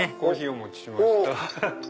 お持ちしました。